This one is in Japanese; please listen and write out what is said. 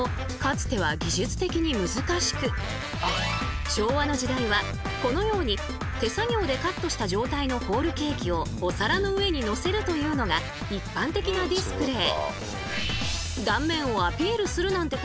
実はこれも昭和の時代はこのように手作業でカットした状態のホールケーキをお皿の上にのせるというのが一般的なディスプレー。